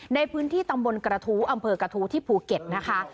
ในพื้นที่ตำบลกระทู้อำเภอกระทู้ที่ภูเก็ตนะคะ